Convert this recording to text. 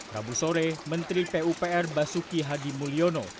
rabu sore menteri pupr basuki hadi mulyono